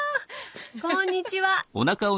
こんにちは。